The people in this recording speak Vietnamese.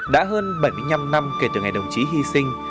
đã hơn bảy mươi năm năm kể từ ngày đồng chí hy sinh